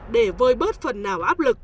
để vơi bớt phần nào áp lực